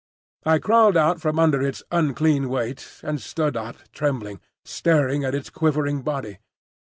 I crawled out from under its unclean weight and stood up trembling, staring at its quivering body.